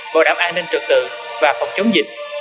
bảo đảm an ninh trật tự và phòng chống dịch